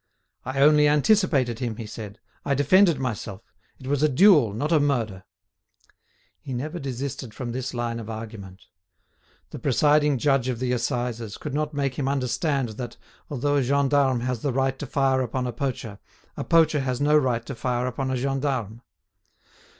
"I only anticipated him," he said, "I defended myself; it was a duel, not a murder." He never desisted from this line of argument. The presiding Judge of the Assizes could not make him understand that, although a gendarme has the right to fire upon a poacher, a poacher has no right to fire upon a gendarme.